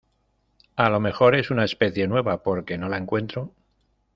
a lo mejor es una especie nueva, porque no la encuentro